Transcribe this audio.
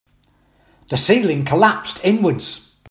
The ceiling collapsed inwards.